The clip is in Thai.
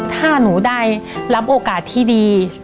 ถ้าหนูได้รับโอกาสที่ดี